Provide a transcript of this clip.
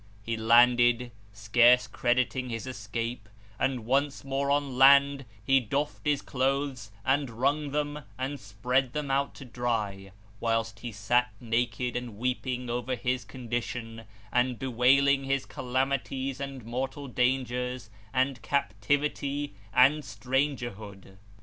He landed, scarce crediting his escape, and once more on land he doffed his clothes and wrung them and spread them out to dry; whilst he sat naked and weeping over his condition, and bewailing his calamities and mortal dangers, and captivity and stranger hood.